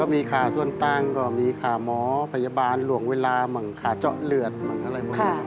ก็มีค่าส่วนตั้งก็มีค่าหมอพยาบาลหลวงเวลามังค่าเจาะเลือดมังอะไรหมด